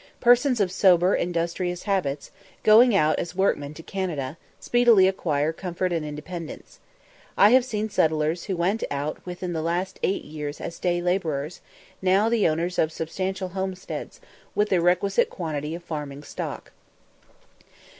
Persons of sober, industrious habits, going out as workmen to Canada, speedily acquire comfort and independence. I have seen settlers who went out within the last eight years as day labourers, now the owners of substantial homesteads, with the requisite quantity of farming stock.